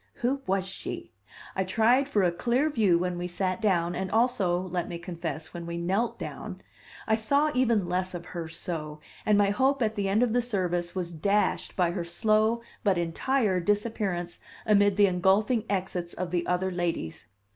Who was she? I tried for a clear view when we sat down, and also, let me confess, when we knelt down; I saw even less of her so; and my hope at the end of the service was dashed by her slow but entire disappearance amid the engulfing exits of the other ladies.